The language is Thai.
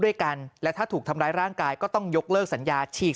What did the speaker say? ด้วยกันและถ้าถูกทำร้ายร่างกายก็ต้องยกเลิกสัญญาฉีก